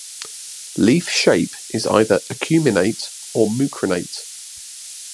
Leaf shape is either acuminate or mucronate.